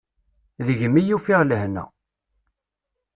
Deg-m i ufiɣ lehna.